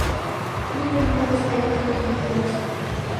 Пий ден пырыс гаяк шурген илышт!